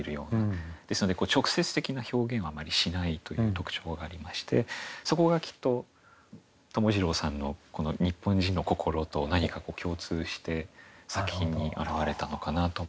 ですので直接的な表現をあまりしないという特徴がありましてそこがきっと友次郎さんのこの日本人の心と何か共通して作品に表れたのかなと。